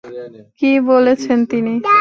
কী বলেছেন তিনি?